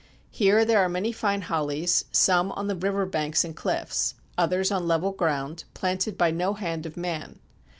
Here there are many fine hollies, some on the river banks and cliffs, others on level ground, planted by no hand of man.